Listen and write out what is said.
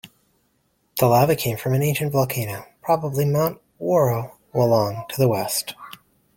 The lava came from an ancient volcano, probably Mount Warrawolong to the west.